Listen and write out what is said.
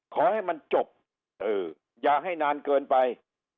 ขอให้มันจบอย่าให้นานเกินไป